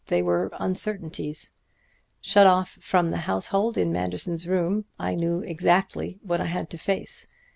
They were uncertainties. Shut off from the household in Manderson's room I knew exactly what I had to face.